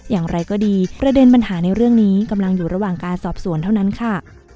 อย่างไรก็ดีประเด็นปัญหาในเรื่องนี้กำลังอยู่ระหว่างการสอบสวนเท่านั้นค่ะ